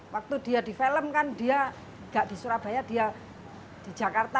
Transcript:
waktu dia di film kan dia nggak di surabaya dia di jakarta